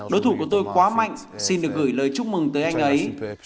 đối thủ của tôi quá mạnh xin được gửi lời chúc mừng tới anh ấy